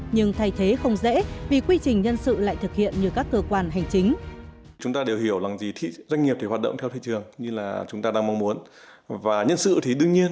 nhưng thay thế không dễ vì quy trình nhân sự lại thực hiện như các cơ quan hành chính